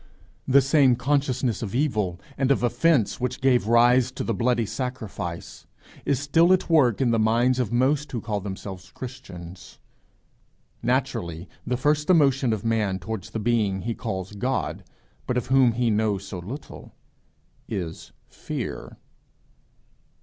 The same consciousness of evil and of offence which gave rise to the bloody sacrifice, is still at work in the minds of most who call themselves Christians. Naturally the first emotion of man towards the being he calls God, but of whom he knows so little, is fear.